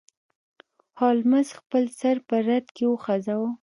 هولمز خپل سر په رد کې وخوزاوه.